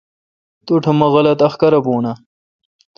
توٹھ مہ غلط احکارہ بھون اؘ۔